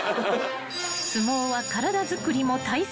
［相撲は体作りも大切］